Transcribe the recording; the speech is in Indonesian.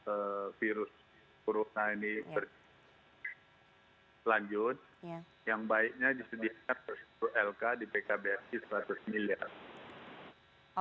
kalau virus corona ini berlanjut yang baiknya disediakan untuk lk di pkbsi seratus miliar